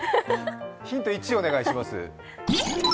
ヒント１、お願いします。